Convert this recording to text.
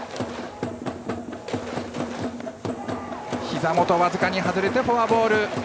ひざ元、僅かに外れてフォアボール。